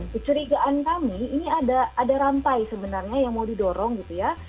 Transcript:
kecurigaan kami ini ada rantai sebenarnya yang mau didorong gitu ya